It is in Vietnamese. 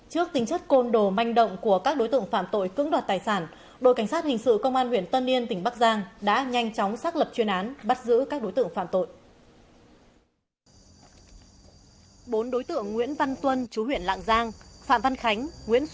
hãy đăng ký kênh để ủng hộ kênh của chúng mình nhé